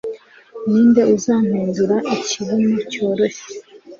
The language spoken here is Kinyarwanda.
ninde uzampindura ikibuno cyoroshye